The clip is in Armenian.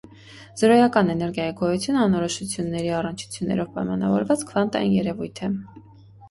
Զրոյական էներգիայի գոյությունը անորոշությունների առնչություններով պայմանավորված քվանտային երևույթ է։